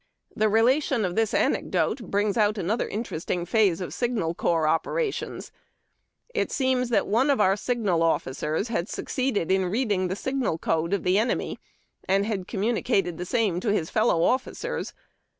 The relation of this anecdote brings out another interesting pliase of signal corps operations. It seems that one of our signal offi cers had succeeded in read ing; the siOTal code of the enemy, and had communicated the same to his fellow offi cers.